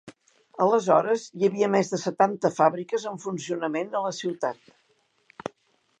Aleshores, hi havia més de setanta fàbriques en funcionament a la ciutat.